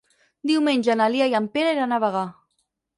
Diumenge na Lia i en Pere iran a Bagà.